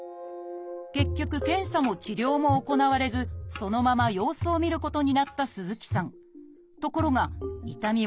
結局検査も治療も行われずそのまま様子を見ることになった鈴木さん。